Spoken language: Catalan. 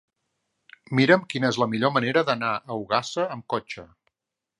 Mira'm quina és la millor manera d'anar a Ogassa amb cotxe.